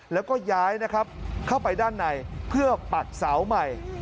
แล้วก็ย้ายนะครับเข้าไปด้านในเพื่อปักเสาใหม่